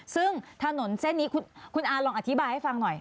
ซึ่งถนนเส้นนี้คุณอาลองอธิบายให้ฟังหน่อย